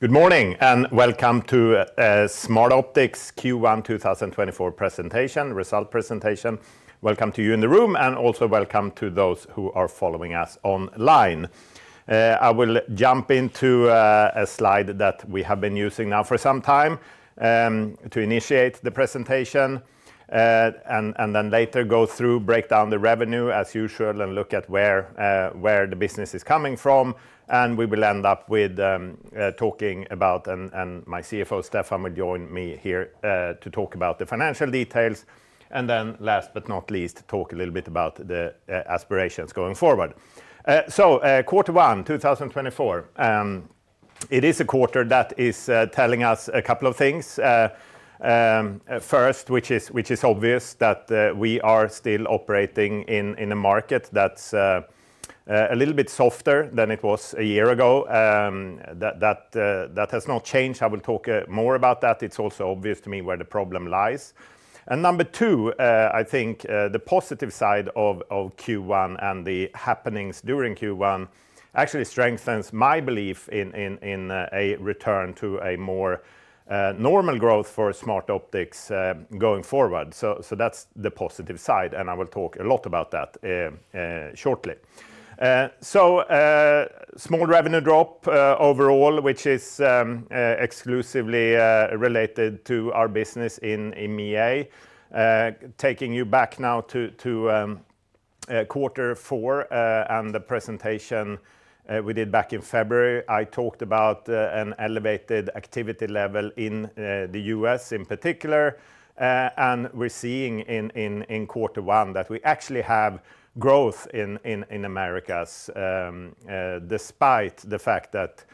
Good morning and welcome to Smartoptics Q1 2024 Result Presentation. Welcome to you in the room and also welcome to those who are following us online. I will jump into a slide that we have been using now for some time to initiate the presentation and then later go through, break down the revenue as usual, and look at where the business is coming from. We will end up with talking about, and my CFO Stefan will join me here to talk about the financial details. Then last but not least, talk a little bit about the aspirations going forward. So quarter one, 2024, it is a quarter that is telling us a couple of things. First, which is obvious, that we are still operating in a market that's a little bit softer than it was a year ago. That has not changed. I will talk more about that. It's also obvious to me where the problem lies. Number two, I think the positive side of Q1 and the happenings during Q1 actually strengthens my belief in a return to a more normal growth for Smartoptics going forward. That's the positive side, and I will talk a lot about that shortly. Small revenue drop overall, which is exclusively related to our business in EMEA. Taking you back now to quarter four and the presentation we did back in February, I talked about an elevated activity level in the U.S. in particular. We're seeing in quarter one that we actually have growth in America despite the fact that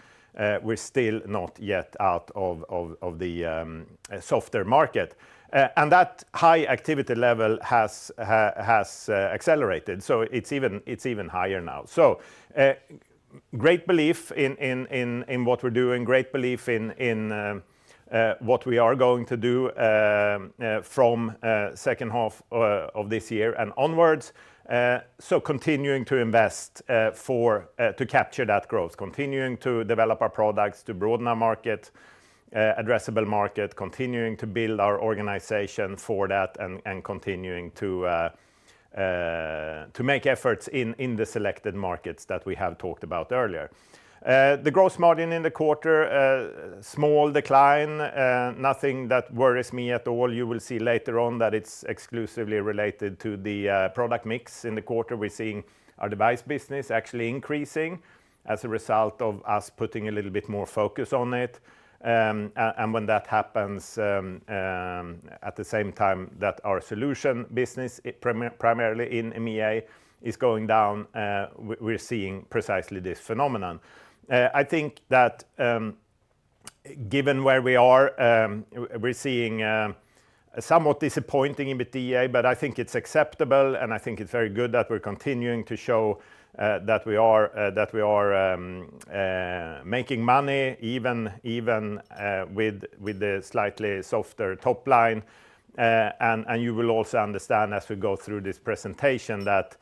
we're still not yet out of the softer market. That high activity level has accelerated, so it's even higher now. So great belief in what we're doing, great belief in what we are going to do from second half of this year and onwards. So continuing to invest to capture that growth, continuing to develop our products to broaden our market, addressable market, continuing to build our organization for that, and continuing to make efforts in the selected markets that we have talked about earlier. The gross margin in the quarter, small decline, nothing that worries me at all. You will see later on that it's exclusively related to the product mix. In the quarter, we're seeing our device business actually increasing as a result of us putting a little bit more focus on it. And when that happens, at the same time that our solution business, primarily in EMEA, is going down, we're seeing precisely this phenomenon. I think that given where we are, we're seeing somewhat disappointing in the EBITDA, but I think it's acceptable and I think it's very good that we're continuing to show that we are making money even with the slightly softer topline. You will also understand as we go through this presentation that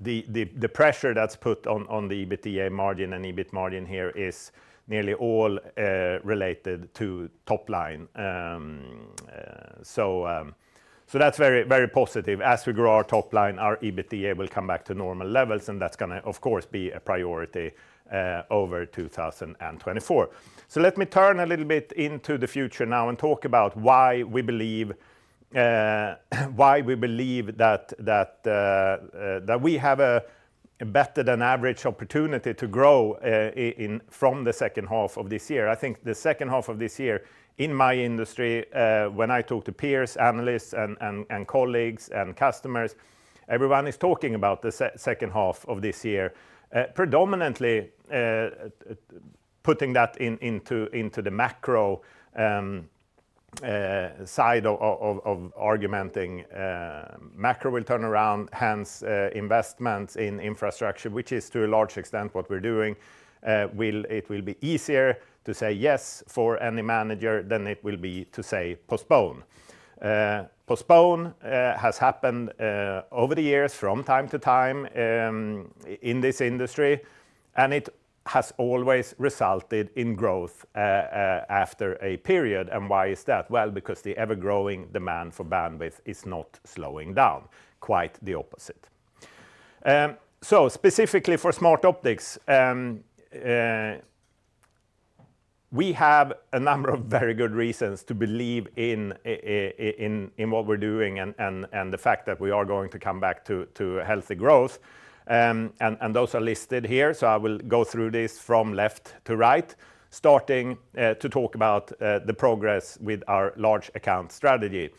the pressure that's put on the EBITDA margin and EBIT margin here is nearly all related to topline. That's very positive. As we grow our topline, our EBITDA will come back to normal levels, and that's going to, of course, be a priority over 2024. Let me turn a little bit into the future now and talk about why we believe that we have a better-than-average opportunity to grow from the second half of this year. I think the second half of this year, in my industry, when I talk to peers, analysts, and colleagues, and customers, everyone is talking about the second half of this year, predominantly putting that into the macro side of arguing. Macro will turn around, hence investments in infrastructure, which is to a large extent what we're doing. It will be easier to say yes for any manager than it will be to say postpone. Postpone has happened over the years from time to time in this industry, and it has always resulted in growth after a period. And why is that? Well, because the ever-growing demand for bandwidth is not slowing down, quite the opposite. So specifically for Smartoptics, we have a number of very good reasons to believe in what we're doing and the fact that we are going to come back to healthy growth. Those are listed here, so I will go through this from left to right, starting to talk about the progress with our large account strategy.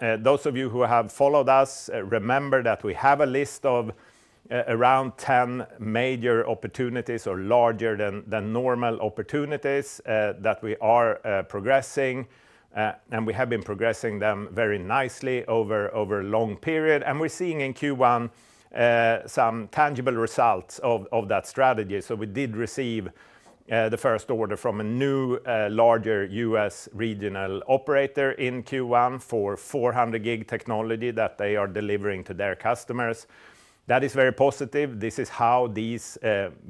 Those of you who have followed us remember that we have a list of around 10 major opportunities or larger than normal opportunities that we are progressing. And we have been progressing them very nicely over a long period. And we're seeing in Q1 some tangible results of that strategy. So we did receive the first order from a new larger U.S. regional operator in Q1 for 400 G technology that they are delivering to their customers. That is very positive. This is how these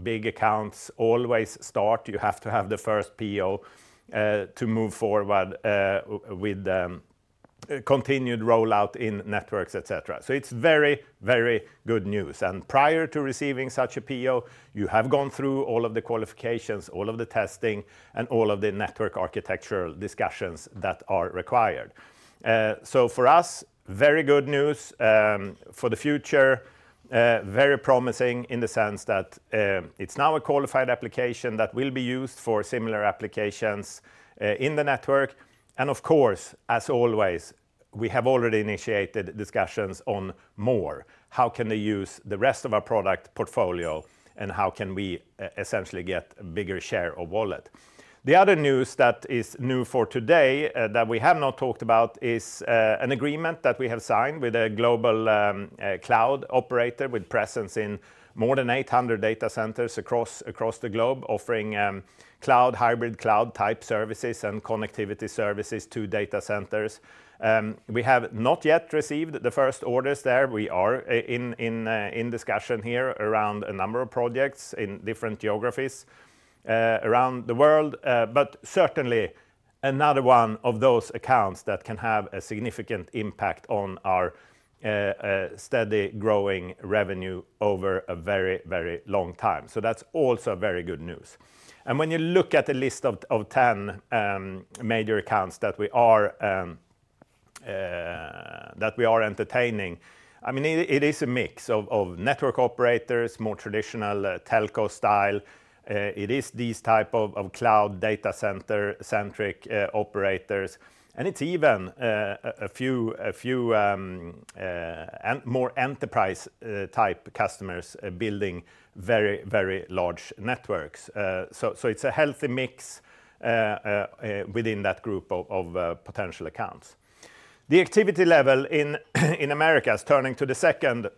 big accounts always start. You have to have the first PO to move forward with continued rollout in networks, et cetera. So it's very, very good news. Prior to receiving such a PO, you have gone through all of the qualifications, all of the testing, and all of the network architectural discussions that are required. So for us, very good news for the future, very promising in the sense that it's now a qualified application that will be used for similar applications in the network. Of course, as always, we have already initiated discussions on more. How can they use the rest of our product portfolio and how can we essentially get a bigger share of wallet? The other news that is new for today that we have not talked about is an agreement that we have signed with a global cloud operator with presence in more than 800 data centers across the globe, offering hybrid cloud-type services and connectivity services to data centers. We have not yet received the first orders there. We are in discussion here around a number of projects in different geographies around the world, but certainly another one of those accounts that can have a significant impact on our steady growing revenue over a very, very long time. So that's also very good news. And when you look at the list of 10 major accounts that we are entertaining, it is a mix of network operators, more traditional telco style. It is these types of cloud data-centric operators. And it's even a few more enterprise-type customers building very, very large networks. So it's a healthy mix within that group of potential accounts. The activity level in America, turning to the second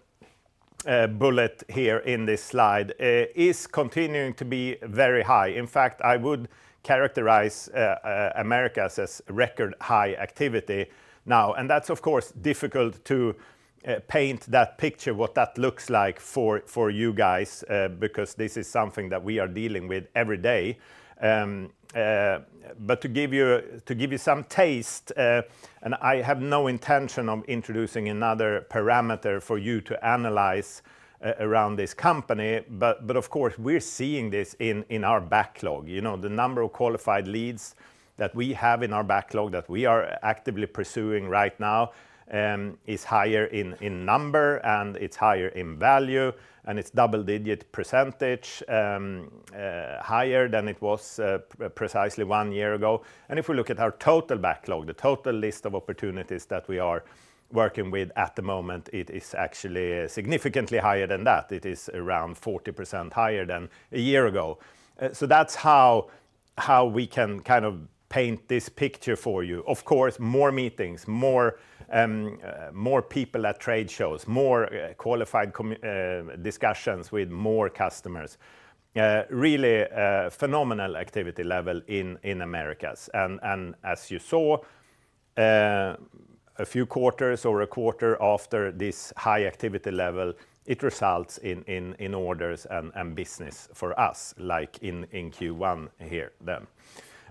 bullet here in this slide, is continuing to be very high. In fact, I would characterize America as record high activity now. And that's, of course, difficult to paint that picture, what that looks like for you guys, because this is something that we are dealing with every day. But to give you some taste, and I have no intention of introducing another parameter for you to analyze around this company, but of course, we're seeing this in our backlog. The number of qualified leads that we have in our backlog that we are actively pursuing right now is higher in number and it's higher in value. And it's double-digit percentage higher than it was precisely one year ago. And if we look at our total backlog, the total list of opportunities that we are working with at the moment, it is actually significantly higher than that. It is around 40% higher than a year ago. So that's how we can kind of paint this picture for you. Of course, more meetings, more people at trade shows, more qualified discussions with more customers. Really phenomenal activity level in America. As you saw, a few quarters or a quarter after this high activity level, it results in orders and business for us, like in Q1 here, then.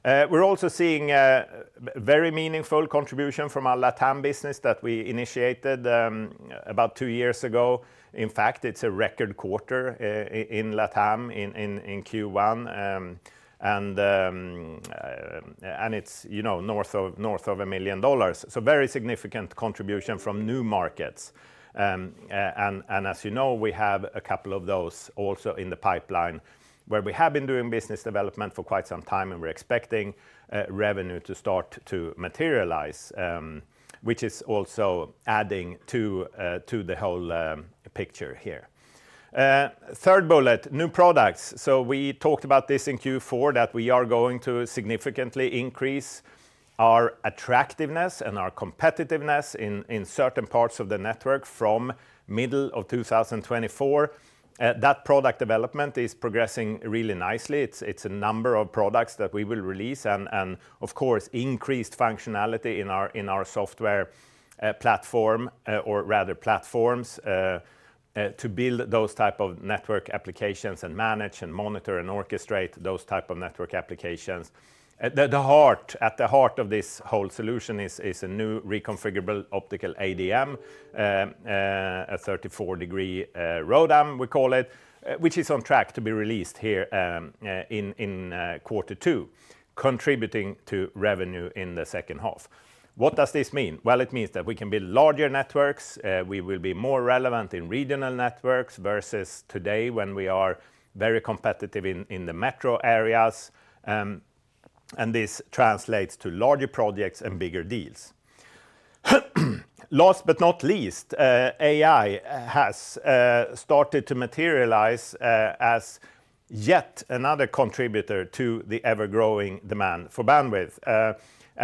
We're also seeing a very meaningful contribution from our LatAm business that we initiated about two years ago. In fact, it's a record quarter in LatAm in Q1. It's north of $1 million. Very significant contribution from new markets. As you know, we have a couple of those also in the pipeline where we have been doing business development for quite some time and we're expecting revenue to start to materialize, which is also adding to the whole picture here. Third bullet, new products. So we talked about this in Q4 that we are going to significantly increase our attractiveness and our competitiveness in certain parts of the network from middle of 2024. That product development is progressing really nicely. It's a number of products that we will release and of course, increased functionality in our software platform, or rather platforms, to build those types of network applications and manage and monitor and orchestrate those types of network applications. At the heart of this whole solution is a new reconfigurable optical ADM, a 34-degree ROADM, we call it, which is on track to be released here in quarter two, contributing to revenue in the second half. What does this mean? Well, it means that we can build larger networks. We will be more relevant in regional networks versus today when we are very competitive in the metro areas. This translates to larger projects and bigger deals. Last but not least, AI has started to materialize as yet another contributor to the ever-growing demand for bandwidth.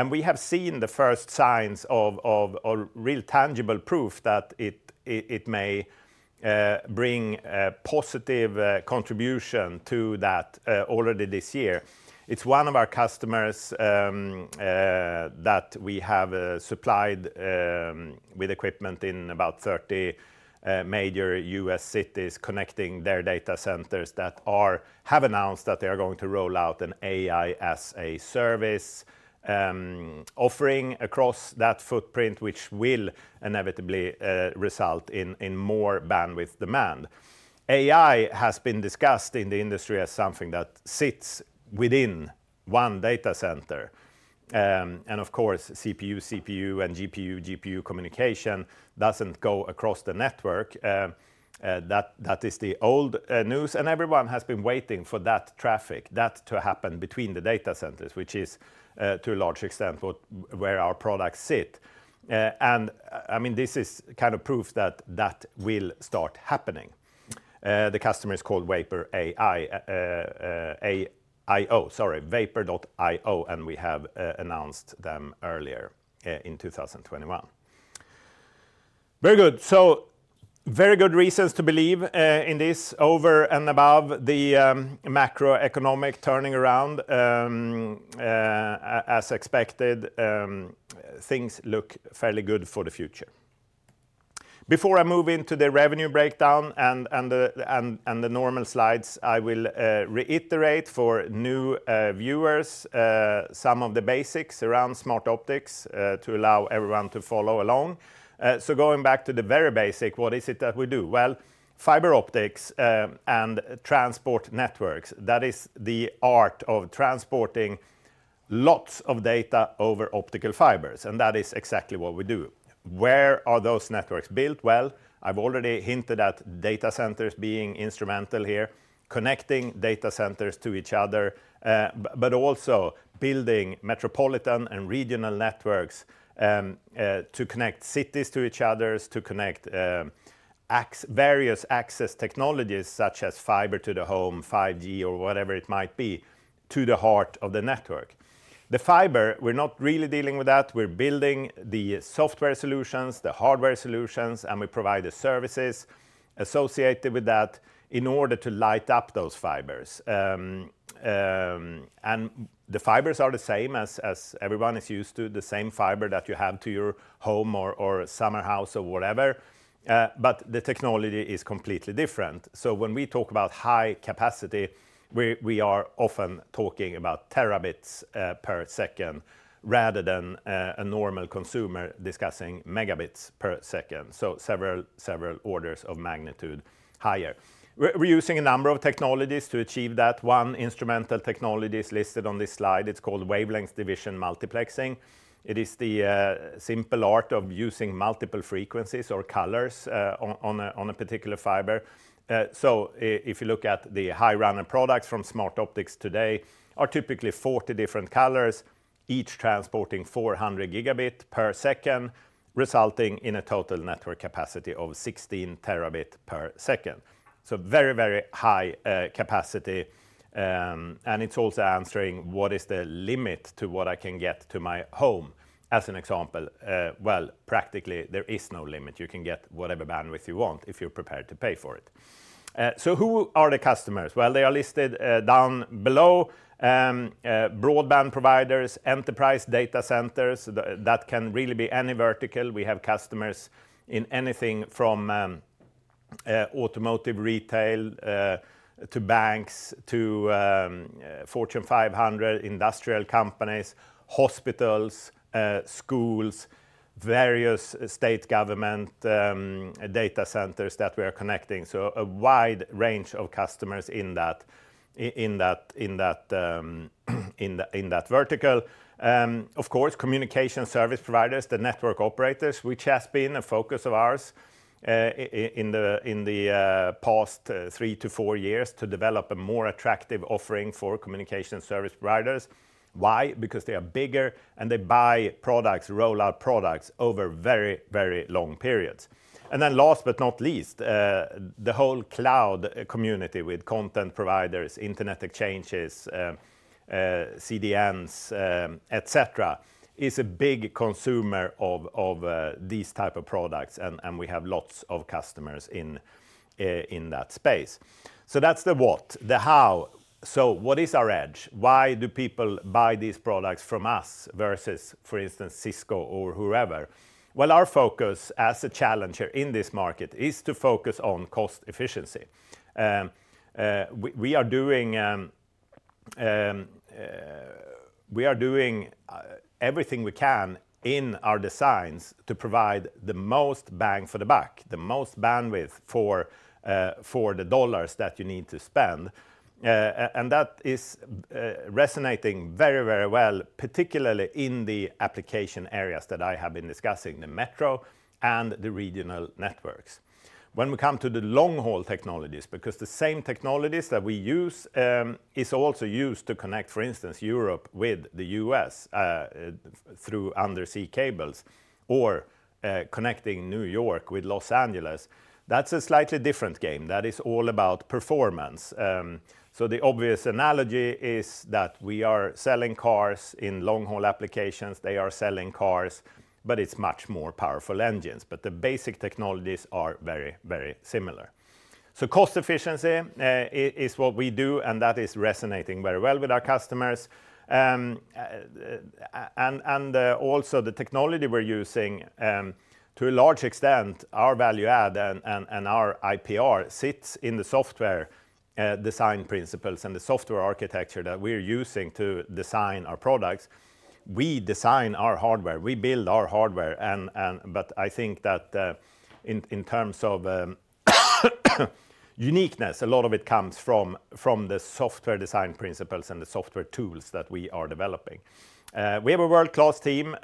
We have seen the first signs of real tangible proof that it may bring a positive contribution to that already this year. It's one of our customers that we have supplied with equipment in about 30 major U.S. cities connecting their data centers that have announced that they are going to roll out an AIaaS offering across that footprint, which will inevitably result in more bandwidth demand. AI has been discussed in the industry as something that sits within one data center. Of course, CPU-CPU, and GPU-GPU communication doesn't go across the network. That is the old news. And everyone has been waiting for that traffic, that to happen between the data centers, which is to a large extent where our products sit. And I mean this is kind of proof that that will start happening. The customer is called vapor.io. And we have announced them earlier in 2021. Very good. So very good reasons to believe in this over and above the macroeconomic turning around. As expected, things look fairly good for the future. Before I move into the revenue breakdown and the normal slides, I will reiterate for new viewers some of the basics around Smartoptics to allow everyone to follow along. So going back to the very basic, what is it that we do? Well, fiber optics and transport networks, that is the art of transporting lots of data over optical fibers. And that is exactly what we do. Where are those networks built? Well, I've already hinted at data centers being instrumental here, connecting data centers to each other, but also building metropolitan and regional networks to connect cities to each other, to connect various access technologies such as fiber to the home, 5G, or whatever it might be, to the heart of the network. The fiber, we're not really dealing with that. We're building the software solutions, the hardware solutions, and we provide the services associated with that in order to light up those fibers. And the fibers are the same as everyone is used to, the same fiber that you have to your home or summer house or whatever. But the technology is completely different. So when we talk about high capacity, we are often talking about terabits per second rather than a normal consumer discussing megabits per second. So several orders of magnitude higher. We're using a number of technologies to achieve that. One instrumental technology is listed on this slide. It's called wavelength division multiplexing. It is the simple art of using multiple frequencies or colors on a particular fiber. So if you look at the high-runner products from Smartoptics today are typically 40 different colors, each transporting 400 Gbps, resulting in a total network capacity of 16 Tbps. So very, very high capacity. And it's also answering what is the limit to what I can get to my home. As an example, well, practically there is no limit. You can get whatever bandwidth you want if you're prepared to pay for it. So who are the customers? Well, they are listed down below. Broadband providers, enterprise data centers that can really be any vertical. We have customers in anything from automotive, retail to banks to Fortune 500, industrial companies, hospitals, schools, various state government data centers that we are connecting. So a wide range of customers in that vertical. Of course, communication service providers, the network operators, which has been a focus of ours in the past three to four years to develop a more attractive offering for communication service providers. Why? Because they are bigger and they buy products, roll out products over very, very long periods. And then last but not least, the whole cloud community with content providers, Internet Exchanges, CDNs, et cetera, is a big consumer of these types of products. And we have lots of customers in that space. So that's the what, the how. So what is our edge? Why do people buy these products from us versus, for instance, Cisco or whoever? Well, our focus as a challenger in this market is to focus on cost efficiency. We are doing everything we can in our designs to provide the most bang for the buck, the most bandwidth for the dollars that you need to spend. And that is resonating very, very well, particularly in the application areas that I have been discussing, the metro and the regional networks. When we come to the long-haul technologies, because the same technologies that we use are also used to connect, for instance, Europe with the U.S. through undersea cables or connecting New York with Los Angeles, that's a slightly different game. That is all about performance. So the obvious analogy is that we are selling cars in long-haul applications. They are selling cars, but it's much more powerful engines. But the basic technologies are very, very similar. So cost efficiency is what we do, and that is resonating very well with our customers. And also the technology we're using, to a large extent, our value add and our IPR sits in the software design principles and the software architecture that we're using to design our products. We design our hardware. We build our hardware. But I think that in terms of uniqueness, a lot of it comes from the software design principles and the software tools that we are developing. We have a world-class team.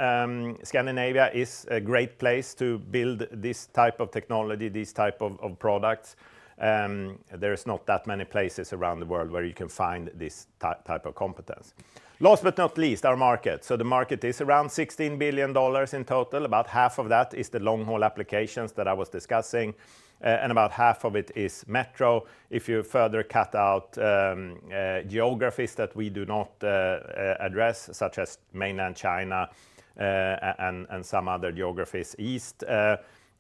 Scandinavia is a great place to build this type of technology, these types of products. There are not that many places around the world where you can find this type of competence. Last but not least, our market. So the market is around $16 billion in total. About half of that is the long-haul applications that I was discussing. About half of it is metro. If you further cut out geographies that we do not address, such as mainland China and some other geographies east,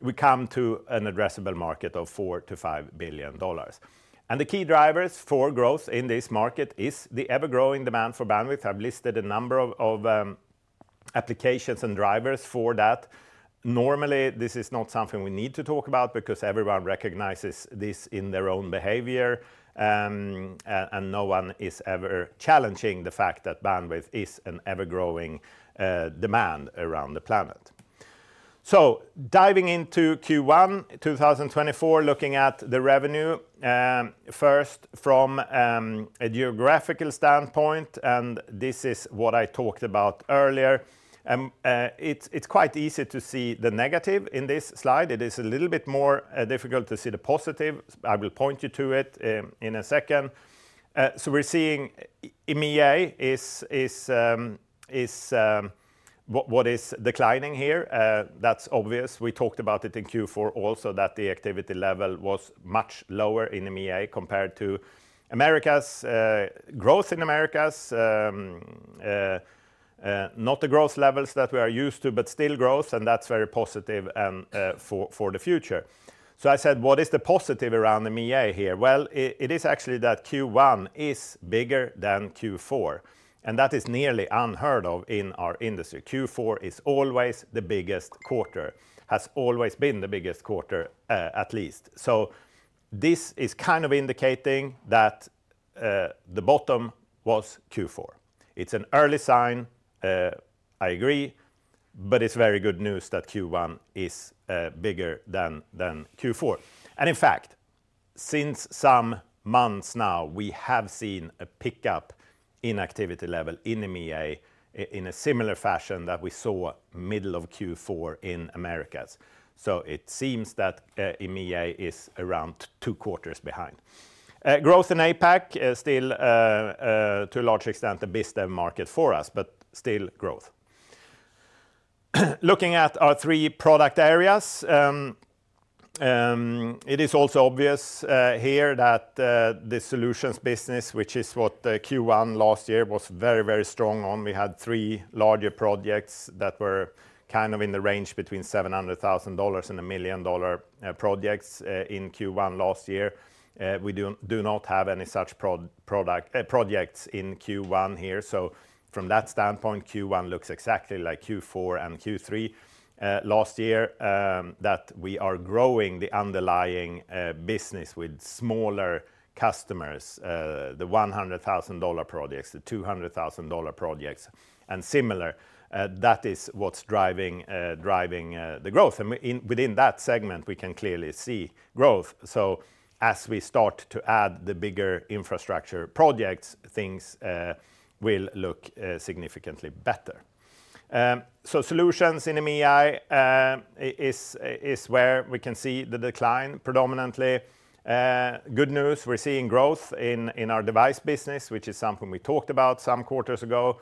we come to an addressable market of $4 billion-$5 billion. The key drivers for growth in this market is the ever-growing demand for bandwidth. I've listed a number of applications and drivers for that. Normally, this is not something we need to talk about because everyone recognizes this in their own behavior. No one is ever challenging the fact that bandwidth is an ever-growing demand around the planet. So diving into Q1 2024, looking at the revenue first from a geographical standpoint. This is what I talked about earlier. It's quite easy to see the negative in this slide. It is a little bit more difficult to see the positive. I will point you to it in a second. So we're seeing EMEA is what is declining here. That's obvious. We talked about it in Q4 also that the activity level was much lower in EMEA compared to America's growth in Americas. Not the growth levels that we are used to, but still growth. And that's very positive for the future. So I said, what is the positive around EMEA here? Well, it is actually that Q1 is bigger than Q4. And that is nearly unheard of in our industry. Q4 is always the biggest quarter, has always been the biggest quarter, at least. So this is kind of indicating that the bottom was Q4. It's an early sign, I agree. But it's very good news that Q1 is bigger than Q4. And in fact, since some months now, we have seen a pickup in activity level in EMEA in a similar fashion that we saw middle of Q4 in Americas. So it seems that EMEA is around two quarters behind. Growth in APAC, still to a large extent the biggest market for us, but still growth. Looking at our three product areas, it is also obvious here that the solutions business, which is what Q1 last year was very, very strong on, we had three larger projects that were kind of in the range between $700,000 and $1 million projects in Q1 last year. We do not have any such projects in Q1 here. So from that standpoint, Q1 looks exactly like Q4 and Q3 last year, that we are growing the underlying business with smaller customers, the $100,000 projects, the $200,000 projects, and similar. That is what's driving the growth. And within that segment, we can clearly see growth. So as we start to add the bigger infrastructure projects, things will look significantly better. So solutions in EMEA is where we can see the decline predominantly. Good news, we're seeing growth in our device business, which is something we talked about some quarters ago,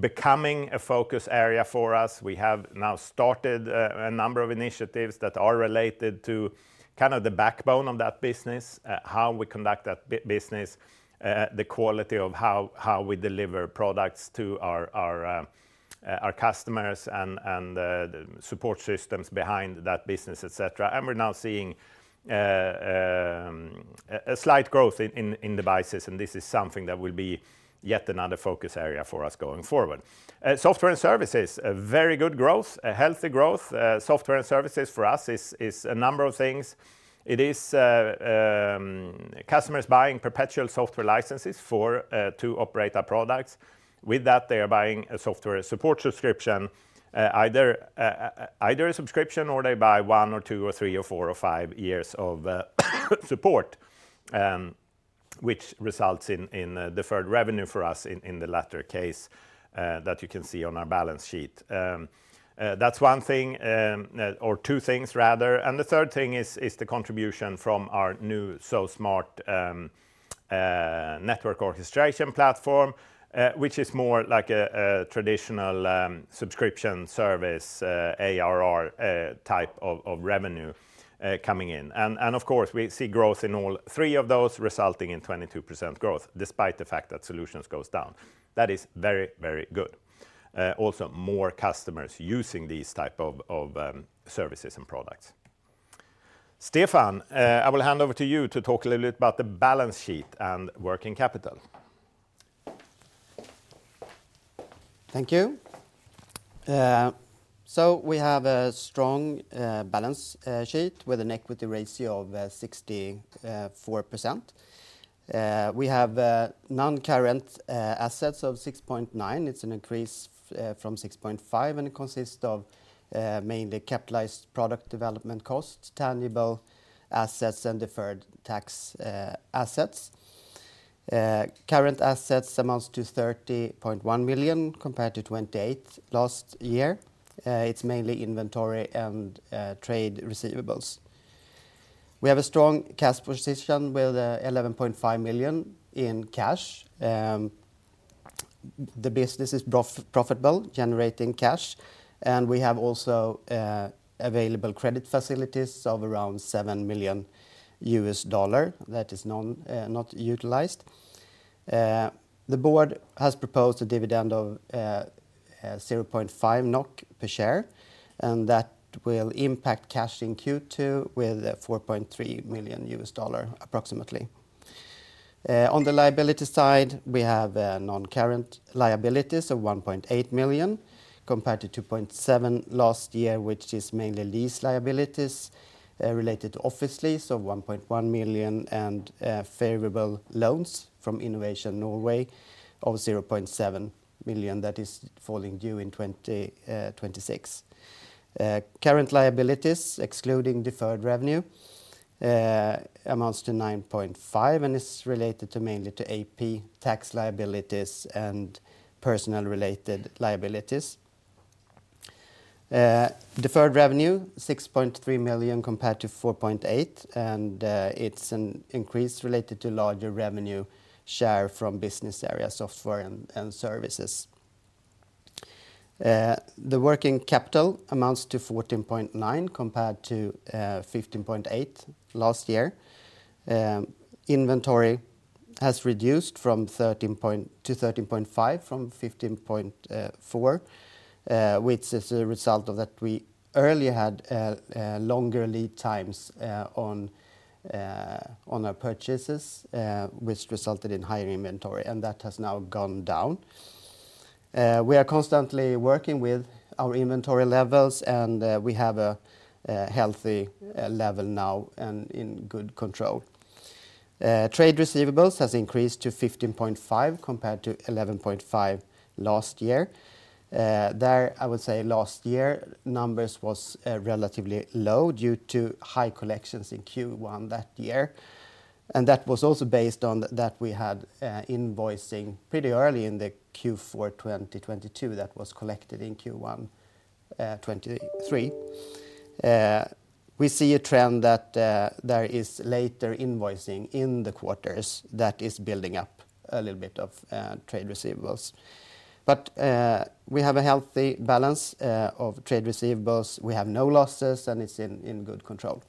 becoming a focus area for us. We have now started a number of initiatives that are related to kind of the backbone of that business, how we conduct that business, the quality of how we deliver products to our customers and the support systems behind that business, et cetera. And we're now seeing a slight growth in devices. And this is something that will be yet another focus area for us going forward. Software and services, very good growth, healthy growth. Software and services for us is a number of things. It is customers buying perpetual software licenses to operate our products. With that, they are buying a software support subscription. Either a subscription or they buy one or two or three or four or five years of support, which results in deferred revenue for us in the latter case that you can see on our balance sheet. That's one thing, or two things rather. The third thing is the contribution from our new SoSmart Network Orchestration platform, which is more like a traditional subscription service, ARR type of revenue coming in. Of course, we see growth in all three of those resulting in 22% growth despite the fact that solutions go down. That is very, very good. Also, more customers using these types of services and products. Stefan, I will hand over to you to talk a little bit about the balance sheet and working capital. Thank you. We have a strong balance sheet with an equity ratio of 64%. We have non-current assets of 6.9%. It's an increase from 6.5% and it consists of mainly capitalized product development costs, tangible assets, and deferred tax assets. Current assets amount to $30.1 million compared to 28% last year. It's mainly inventory and trade receivables. We have a strong cash position with $11.5 million in cash. The business is profitable, generating cash. We have also available credit facilities of around $7 million that is not utilized. The board has proposed a dividend of 0.5 NOK per share. That will impact cash in Q2 with $4.3 million approximately. On the liability side, we have non-current liabilities of $1.8 million compared to $2.7 million last year, which is mainly lease liabilities related to office lease of $1.1 million and favorable loans from Innovation Norway of $0.7 million that is falling due in 2026. Current liabilities, excluding deferred revenue, amount to $9.5 million and is related mainly to AP tax liabilities and personal-related liabilities. Deferred revenue, $6.3 million compared to $4.8 million. And it's an increase related to larger revenue share from business area, software and services. The working capital amounts to $14.9 million compared to $15.8 million last year. Inventory has reduced to $13.5 million from $15.4 million, which is a result of that we earlier had longer lead times on our purchases, which resulted in higher inventory. That has now gone down. We are constantly working with our inventory levels. We have a healthy level now and in good control. Trade receivables have increased to $15.5 million compared to $11.5 million last year. There, I would say last year's numbers were relatively low due to high collections in Q1 that year. And that was also based on that we had invoicing pretty early in the Q4 2022 that was collected in Q1 2023. We see a trend that there is later invoicing in the quarters that is building up a little bit of trade receivables. But we have a healthy balance of trade receivables. We have no losses. It's in good control.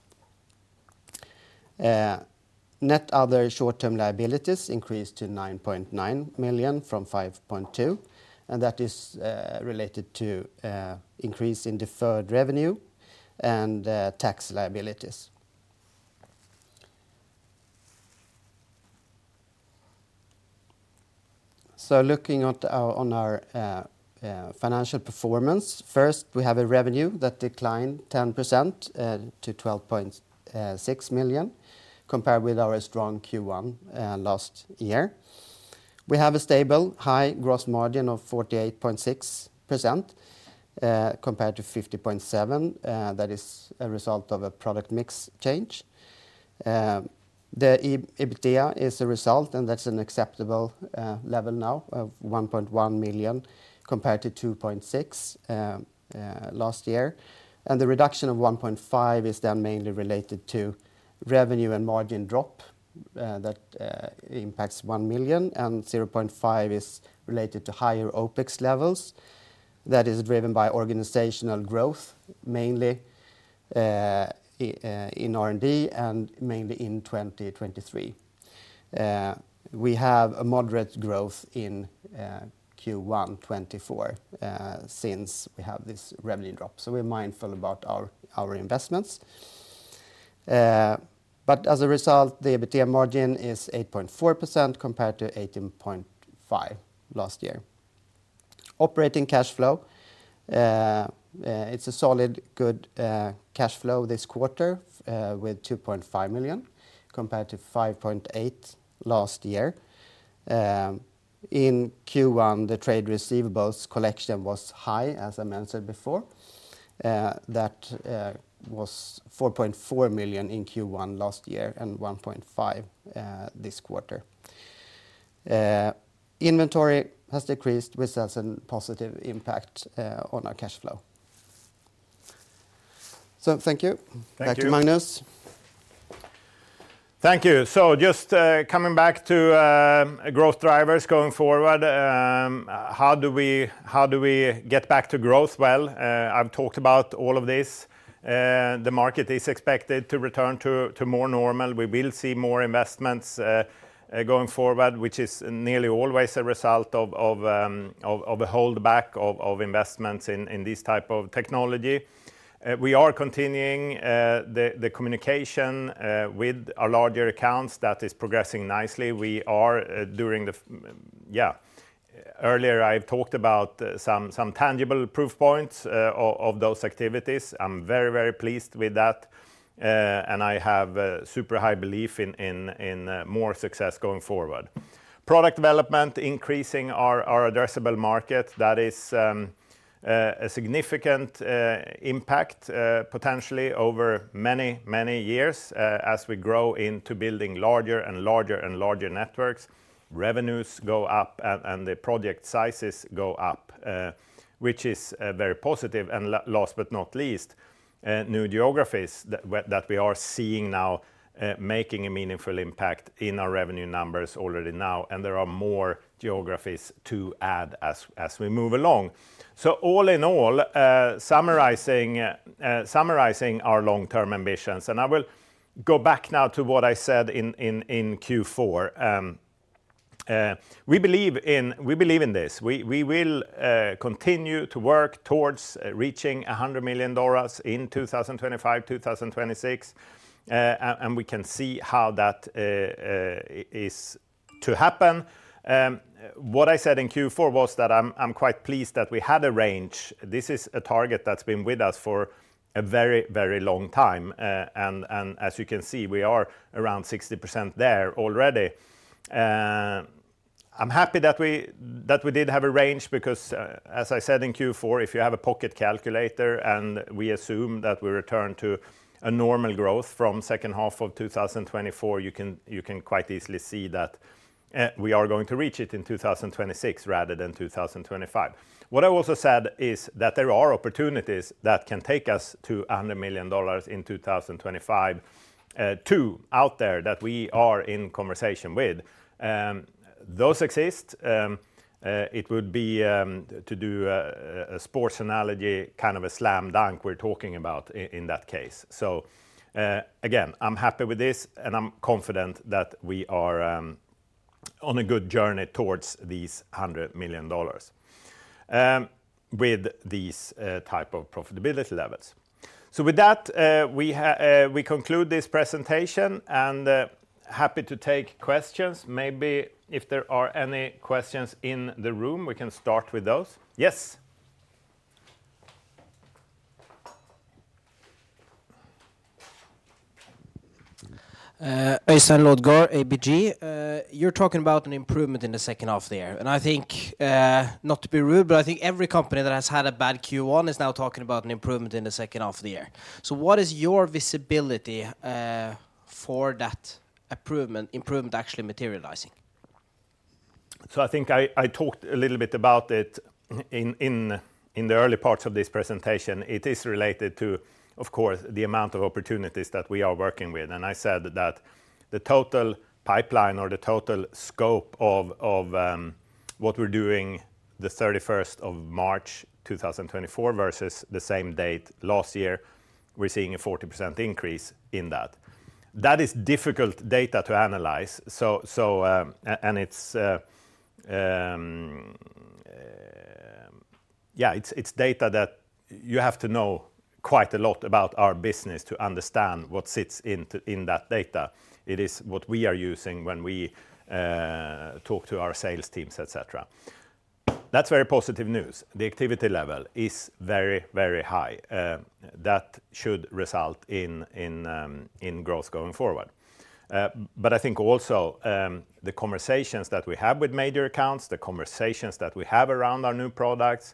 Net other short-term liabilities increased to $9.9 million from $5.2 million. That is related to an increase in deferred revenue and tax liabilities. So looking on our financial performance, first, we have a revenue that declined 10% to $12.6 million compared with our strong Q1 last year. We have a stable, high gross margin of 48.6% compared to 50.7%. That is a result of a product mix change. The EBITDA is a result. And that's an acceptable level now of $1.1 million compared to $2.6 million last year. And the reduction of $1.5 million is then mainly related to revenue and margin drop that impacts $1 million. And $0.5 million is related to higher OpEx levels. That is driven by organizational growth, mainly in R&D and mainly in 2023. We have a moderate growth in Q1 2024 since we have this revenue drop. So we're mindful about our investments. But as a result, the EBITDA margin is 8.4% compared to 18.5% last year. Operating cash flow, it's a solid, good cash flow this quarter with $2.5 million compared to $5.8 million last year. In Q1, the trade receivables collection was high, as I mentioned before. That was $4.4 million in Q1 last year and $1.5 million this quarter. Inventory has decreased, which has a positive impact on our cash flow. So thank you. Thank you, Magnus. Thank you. So just coming back to growth drivers going forward, how do we get back to growth, well? I've talked about all of this. The market is expected to return to more normal. We will see more investments going forward, which is nearly always a result of a holdback of investments in these types of technology. We are continuing the communication with our larger accounts. That is progressing nicely. Yeah, earlier, I've talked about some tangible proof points of those activities. I'm very, very pleased with that. And I have super high belief in more success going forward. Product development, increasing our addressable market. That is a significant impact, potentially, over many, many years as we grow into building larger and larger and larger networks. Revenues go up. And the project sizes go up, which is very positive. And last but not least, new geographies that we are seeing now making a meaningful impact in our revenue numbers already now. And there are more geographies to add as we move along. So all in all, summarizing our long-term ambitions. And I will go back now to what I said in Q4. We believe in this. We will continue to work towards reaching $100 million in 2025, 2026. And we can see how that is to happen. What I said in Q4 was that I'm quite pleased that we had a range. This is a target that's been with us for a very, very long time. And as you can see, we are around 60% there already. I'm happy that we did have a range because, as I said in Q4, if you have a pocket calculator and we assume that we return to a normal growth from second half of 2024, you can quite easily see that we are going to reach it in 2026 rather than 2025. What I also said is that there are opportunities that can take us to $100 million in 2025 out there that we are in conversation with. Those exist. It would be to do a sports analogy, kind of a slam dunk we're talking about in that case. So again, I'm happy with this. I'm confident that we are on a good journey towards these $100 million with these types of profitability levels. So with that, we conclude this presentation. Happy to take questions. Maybe if there are any questions in the room, we can start with those. Yes? Øystein Lodgaard, ABG. You're talking about an improvement in the second half of the year. I think, not to be rude, but I think every company that has had a bad Q1 is now talking about an improvement in the second half of the year. What is your visibility for that improvement actually materializing? I think I talked a little bit about it in the early parts of this presentation. It is related to, of course, the amount of opportunities that we are working with. I said that the total pipeline or the total scope of what we're doing the 31st of March 2024 versus the same date last year, we're seeing a 40% increase in that. That is difficult data to analyze. Yeah, it's data that you have to know quite a lot about our business to understand what sits in that data. It is what we are using when we talk to our sales teams, et cetera. That's very positive news. The activity level is very, very high. That should result in growth going forward. But I think also the conversations that we have with major accounts, the conversations that we have around our new products.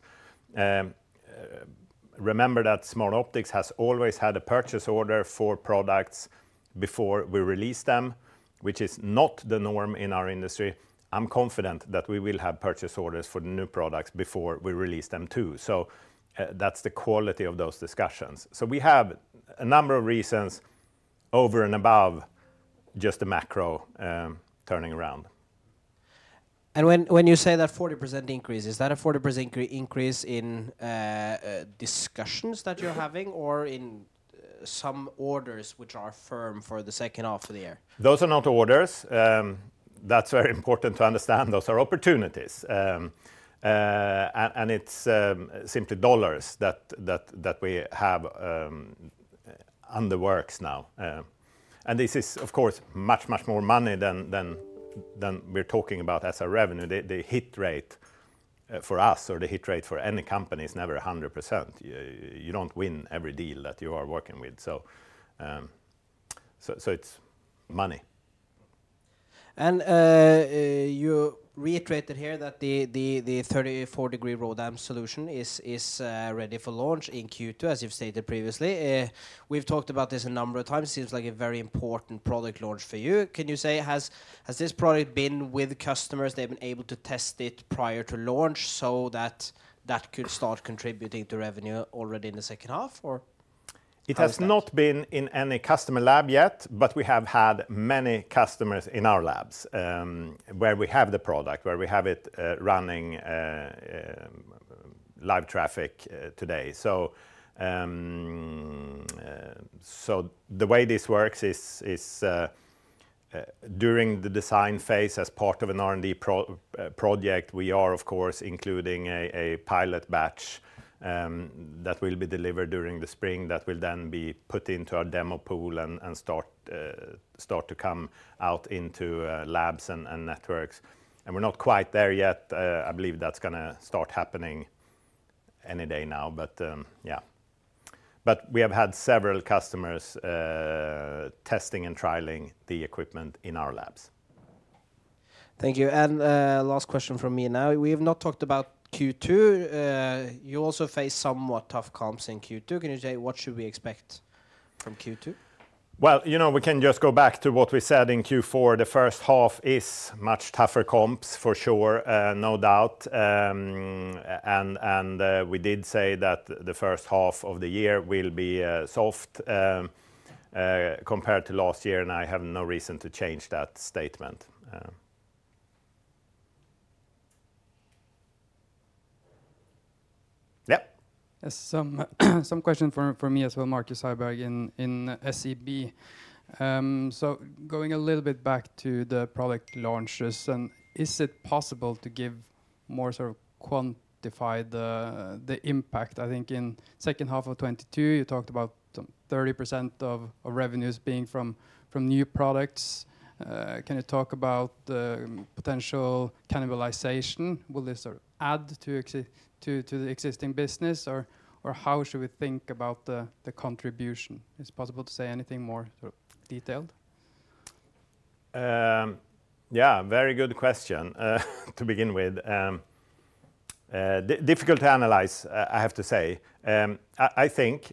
Remember that Smartoptics has always had a purchase order for products before we release them, which is not the norm in our industry. I'm confident that we will have purchase orders for the new products before we release them too. So that's the quality of those discussions. So we have a number of reasons over and above just the macro turning around. When you say that 40% increase, is that a 40% increase in discussions that you're having or in some orders which are firm for the second half of the year? Those are not orders. That's very important to understand. Those are opportunities. And it's simply dollars that we have in the works now. And this is, of course, much, much more money than we're talking about as a revenue. The hit rate for us or the hit rate for any company is never 100%. You don't win every deal that you are working with. So it's money. You reiterated here that the 34-degree ROADM solution is ready for launch in Q2, as you've stated previously. We've talked about this a number of times. It seems like a very important product launch for you. Can you say has this product been with customers? They've been able to test it prior to launch so that that could start contributing to revenue already in the second half, or? It has not been in any customer lab yet. But we have had many customers in our labs where we have the product, where we have it running live traffic today. So the way this works is during the design phase, as part of an R&D project, we are, of course, including a pilot batch that will be delivered during the spring that will then be put into our demo pool and start to come out into labs and networks. We're not quite there yet. I believe that's going to start happening any day now. But yeah, we have had several customers testing and trialing the equipment in our labs. Thank you. Last question from me now. We have not talked about Q2. You also face somewhat tough comps in Q2. Can you say what should we expect from Q2? Well, you know we can just go back to what we said in Q4. The first half is much tougher comps, for sure, no doubt. I have no reason to change that statement. Yeah. Some question for me as well, Markus Borge Heiberg in SEB. So going a little bit back to the product launches. Is it possible to give more sort of quantified the impact? I think in second half of 2022, you talked about 30% of revenues being from new products. Can you talk about potential cannibalization? Will this sort of add to the existing business? Or how should we think about the contribution? Is it possible to say anything more sort of detailed? Yeah, very good question to begin with. Difficult to analyze, I have to say. I think,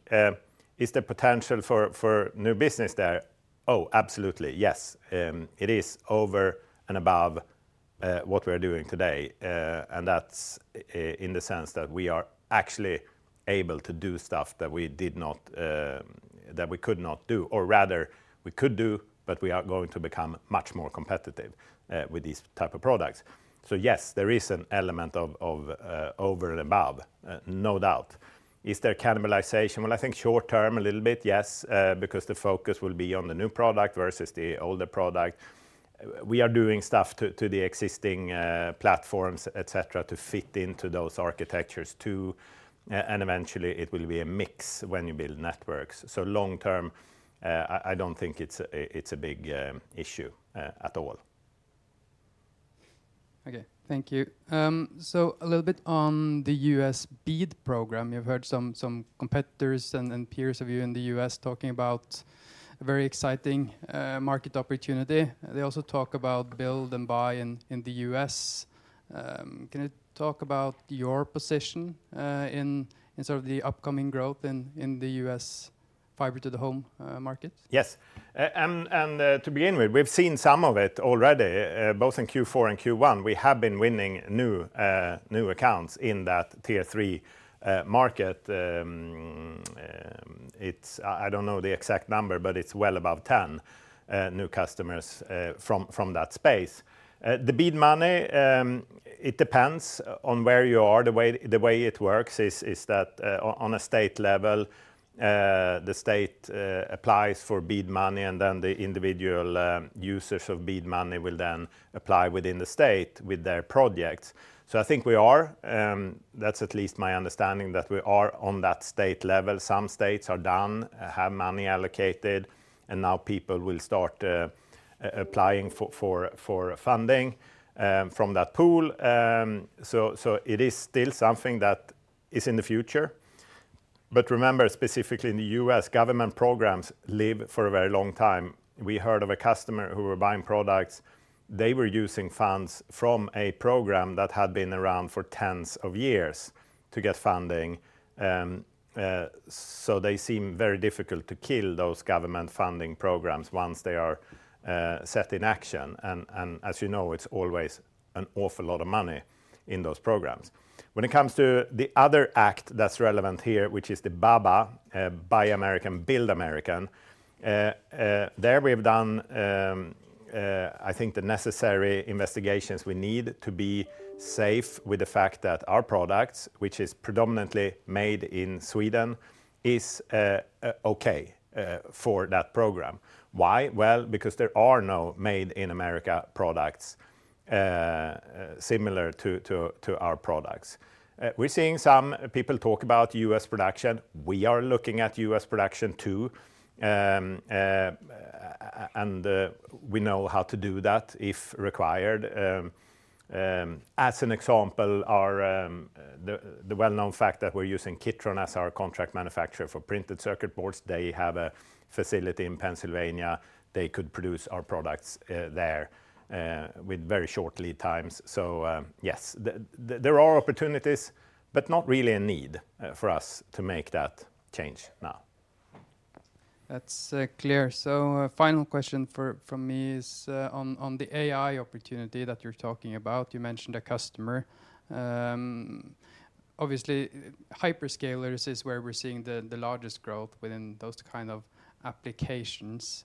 is there potential for new business there? Oh, absolutely. Yes, it is over and above what we are doing today. And that's in the sense that we are actually able to do stuff that we could not do. Or rather, we could do, but we are going to become much more competitive with these types of products. So yes, there is an element of over and above, no doubt. Is there cannibalization? Well, I think short-term, a little bit, yes, because the focus will be on the new product versus the older product. We are doing stuff to the existing platforms, et cetera, to fit into those architectures too. And eventually, it will be a mix when you build networks. So long-term, I don't think it's a big issue at all. OK, thank you. So a little bit on the U.S. BEAD program. You've heard some competitors and peers of you in the U.S. talking about a very exciting market opportunity. They also talk about build and buy in the U.S. Can you talk about your position in sort of the upcoming growth in the U.S. fiber-to-the-home market? Yes. To begin with, we've seen some of it already, both in Q4 and Q1. We have been winning new accounts in that Tier 3 market. I don't know the exact number, but it's well above 10 new customers from that space. The BEAD money, it depends on where you are. The way it works is that on a state level, the state applies for BEAD money. Then the individual users of BEAD money will then apply within the state with their projects. So I think we are. That's at least my understanding, that we are on that state level. Some states are done, have money allocated. Now people will start applying for funding from that pool. So it is still something that is in the future. But remember, specifically in the U.S., government programs live for a very long time. We heard of a customer who were buying products. They were using funds from a program that had been around for tens of years to get funding. So they seem very difficult to kill those government funding programs once they are set in action. And as you know, it's always an awful lot of money in those programs. When it comes to the other act that's relevant here, which is the BABA, Buy American, Build American, there we have done, I think, the necessary investigations we need to be safe with the fact that our products, which is predominantly made in Sweden, is okay for that program. Why? Well, because there are no made-in-America products similar to our products. We're seeing some people talk about U.S. production. We are looking at U.S. production too. And we know how to do that if required. As an example, the well-known fact that we're using Kitron as our contract manufacturer for printed circuit boards. They have a facility in Pennsylvania. They could produce our products there with very short lead times. So yes, there are opportunities, but not really a need for us to make that change now. That's clear. So final question from me is on the AI opportunity that you're talking about. You mentioned a customer. Obviously, hyperscalers is where we're seeing the largest growth within those kinds of applications.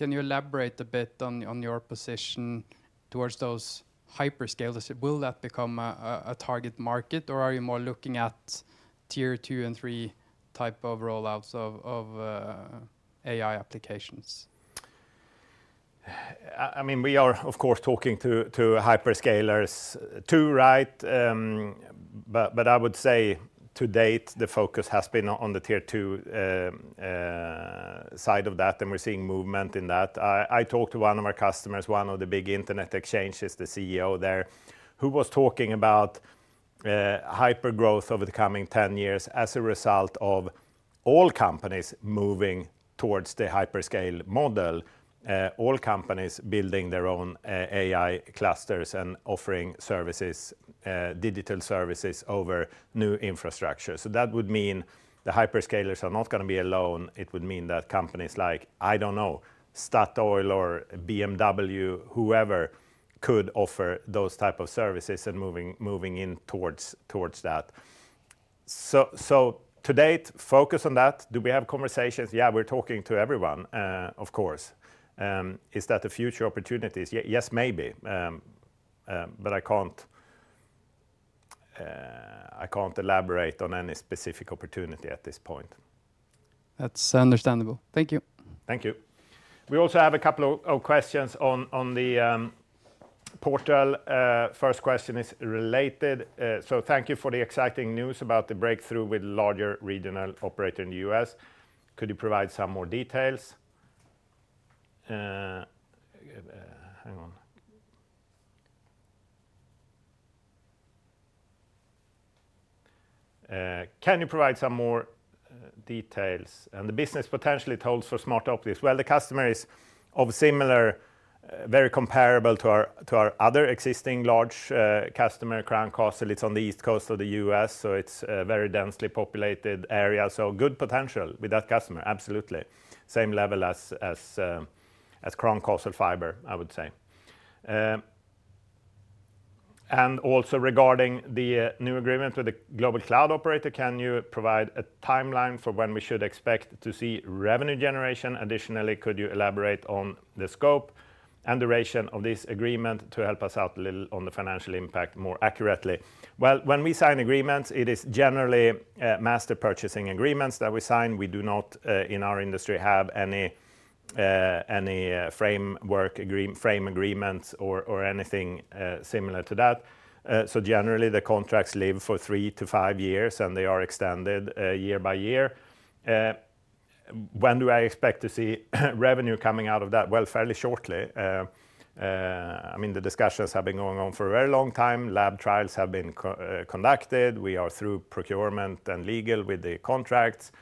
Can you elaborate a bit on your position towards those hyperscalers? Will that become a target market? Or are you more looking at Tier 2 and 3 type of rollouts of AI applications? I mean, we are, of course, talking to hyperscalers too, right? But I would say to date, the focus has been on the Tier 2 side of that. And we're seeing movement in that. I talked to one of our customers, one of the big internet exchanges, the CEO there, who was talking about hypergrowth over the coming 10 years as a result of all companies moving towards the hyperscale model, all companies building their own AI clusters and offering digital services over new infrastructure. So that would mean the hyperscalers are not going to be alone. It would mean that companies like, I don't know, Statoil or BMW, whoever, could offer those types of services and moving in towards that. So to date, focus on that. Do we have conversations? Yeah, we're talking to everyone, of course. Is that a future opportunity? Yes, maybe. But I can't elaborate on any specific opportunity at this point. That's understandable. Thank you. Thank you. We also have a couple of questions on the portal. First question is related. So thank you for the exciting news about the breakthrough with larger regional operator in the U.S. Could you provide some more details on the business potential for Smartoptics? Well, the customer is very comparable to our other existing large customer, Crown Castle. It's on the East Coast of the U.S. So it's a very densely populated area. So good potential with that customer, absolutely. Same level as Crown Castle Fiber, I would say. And also regarding the new agreement with the global cloud operator, can you provide a timeline for when we should expect to see revenue generation additionally? Could you elaborate on the scope and duration of this agreement to help us out a little on the financial impact more accurately? Well, when we sign agreements, it is generally master purchasing agreements that we sign. We do not, in our industry, have any framework agreements or anything similar to that. So generally, the contracts live for three to five years. And they are extended year by year. When do I expect to see revenue coming out of that? Well, fairly shortly. I mean, the discussions have been going on for a very long time. Lab trials have been conducted. We are through procurement and legal with the contracts.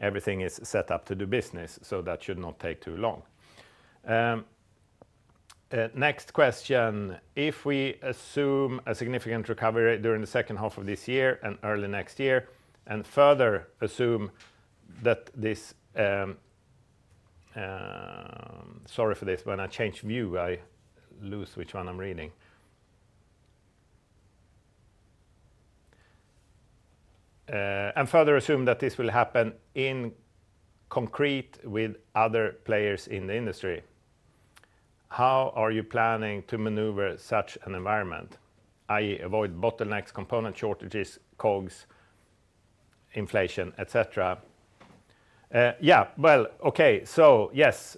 Everything is set up to do business. So that should not take too long. Next question. If we assume a significant recovery during the second half of this year and early next year and further assume that this sorry for this, but when I change view, I lose which one I'm reading. And further assume that this will happen in concrete with other players in the industry, how are you planning to maneuver such an environment, i.e., avoid bottlenecks, component shortages, COGS, inflation, et cetera? Yeah, well, OK. So yes,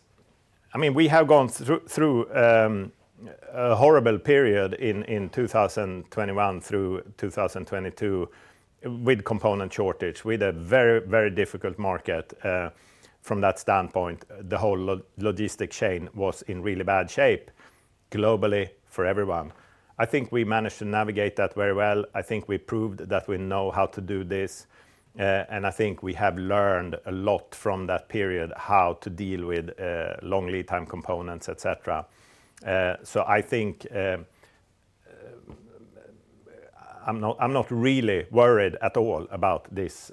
I mean, we have gone through a horrible period in 2021 through 2022 with component shortage, with a very, very difficult market. From that standpoint, the whole logistics chain was in really bad shape globally for everyone. I think we managed to navigate that very well. I think we proved that we know how to do this. And I think we have learned a lot from that period, how to deal with long lead time components, et cetera. So I think I'm not really worried at all about this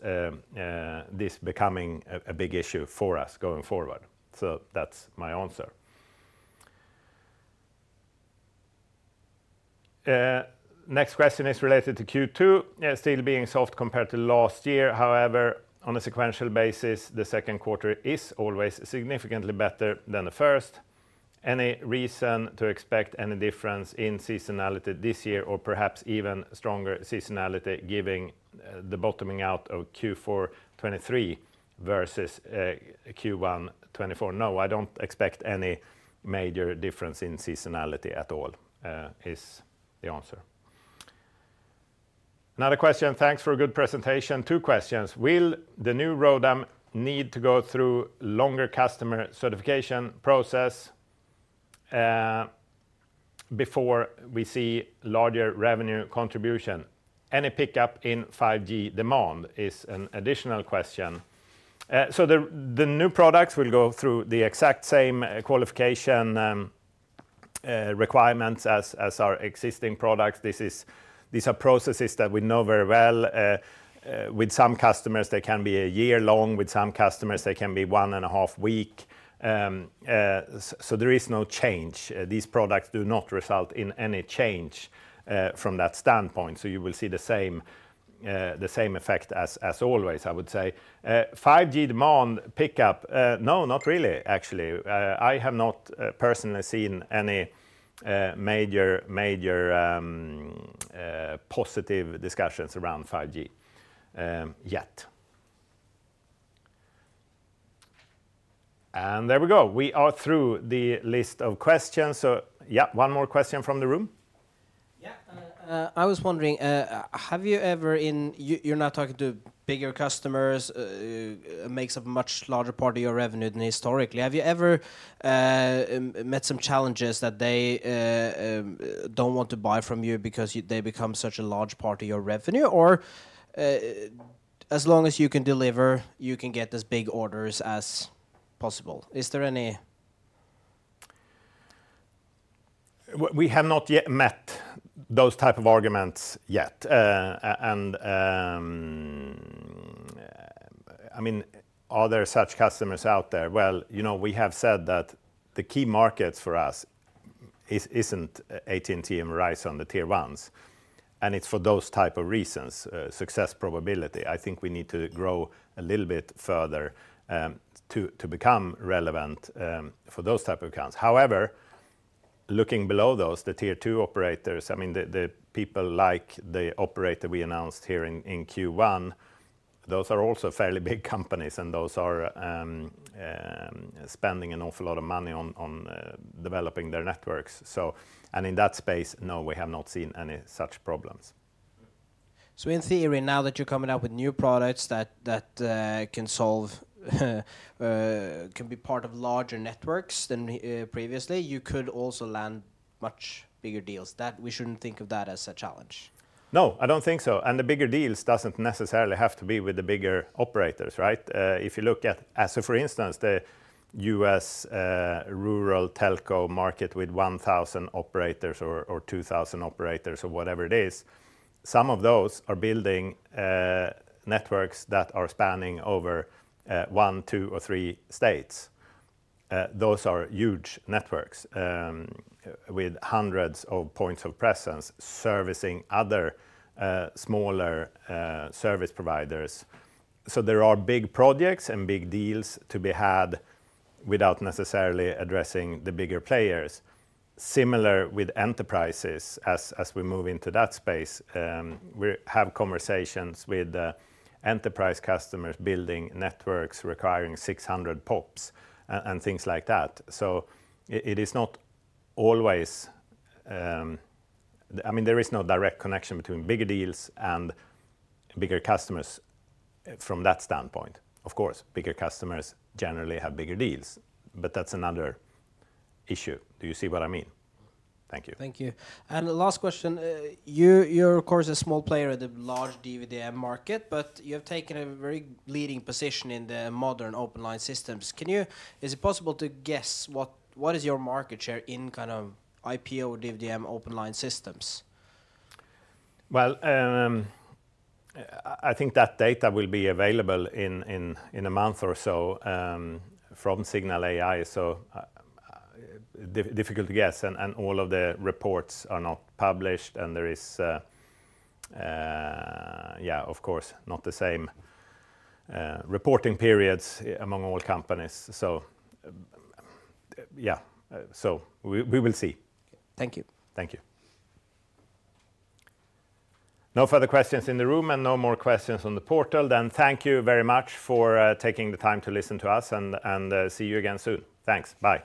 becoming a big issue for us going forward. So that's my answer. Next question is related to Q2. Yeah, still being soft compared to last year. However, on a sequential basis, the second quarter is always significantly better than the first. Any reason to expect any difference in seasonality this year or perhaps even stronger seasonality given the bottoming out of Q4 2023 versus Q1 2024? No, I don't expect any major difference in seasonality at all is the answer. Another question. Thanks for a good presentation. Two questions. Will the new ROADM need to go through a longer customer certification process before we see larger revenue contribution? Any pickup in 5G demand is an additional question. So the new products will go through the exact same qualification requirements as our existing products. These are processes that we know very well. With some customers, they can be a year long. With some customers, they can be 1.5 weeks. So there is no change. These products do not result in any change from that standpoint. So you will see the same effect as always, I would say. 5G demand pickup? No, not really, actually. I have not personally seen any major positive discussions around 5G yet. And there we go. We are through the list of questions. So yeah, one more question from the room. Yeah, I was wondering, have you ever, when you're now talking to bigger customers, [which] makes up a much larger part of your revenue than historically. Have you ever met some challenges that they don't want to buy from you because they become such a large part of your revenue? Or as long as you can deliver, you can get as big orders as possible. Is there any? We have not yet met those types of arguments yet. I mean, are there such customers out there? Well, you know we have said that the key markets for us isn't AT&T and Verizon, the Tier 1s. It's for those types of reasons, success probability. I think we need to grow a little bit further to become relevant for those types of accounts. However, looking below those, the Tier 2 operators, I mean, the people like the operator we announced here in Q1, those are also fairly big companies. Those are spending an awful lot of money on developing their networks. In that space, no, we have not seen any such problems. In theory, now that you're coming out with new products that can be part of larger networks than previously, you could also land much bigger deals. We shouldn't think of that as a challenge. No, I don't think so. And the bigger deals doesn't necessarily have to be with the bigger operators, right? If you look at, so for instance, the U.S. rural telco market with 1,000 operators or 2,000 operators or whatever it is, some of those are building networks that are spanning over one, two, or three states. Those are huge networks with hundreds of points of presence servicing other smaller service providers. So there are big projects and big deals to be had without necessarily addressing the bigger players. Similar with enterprises, as we move into that space, we have conversations with enterprise customers building networks requiring 600 POPs and things like that. So it is not always I mean, there is no direct connection between bigger deals and bigger customers from that standpoint. Of course, bigger customers generally have bigger deals. But that's another issue. Do you see what I mean? Thank you. Thank you. And last question. You're, of course, a small player in the large DWDM market. But you have taken a very leading position in the modern open line systems. Is it possible to guess what is your market share in kind of open DWDM open line systems? Well, I think that data will be available in a month or so from Cignal AI. Difficult to guess. All of the reports are not published. There is, yeah, of course, not the same reporting periods among all companies. Yeah, so we will see. Thank you. Thank you. No further questions in the room and no more questions on the portal. Thank you very much for taking the time to listen to us. See you again soon. Thanks. Bye.